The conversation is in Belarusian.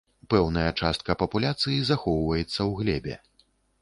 Пэўная частка папуляцыі захоўваецца ў глебе.